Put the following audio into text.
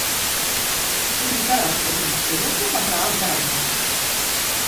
Pirms darāt ko viņam, iedosiet man prāvu dzeramnaudu?